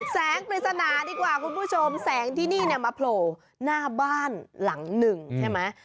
ปริศนาดีกว่าคุณผู้ชมแสงที่นี่เนี่ยมาโผล่หน้าบ้านหลังหนึ่งใช่ไหม